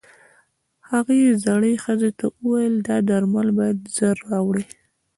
هغې زړې ښځې ته وويل دا درمل بايد ژر راوړې.